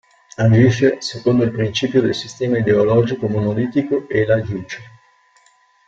Agisce secondo il principio del sistema ideologico monolitico e la Juche.